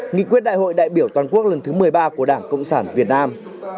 nghị quyết đại hội đại biểu toàn quốc lần thứ một mươi ba của đảng cộng sản việt nam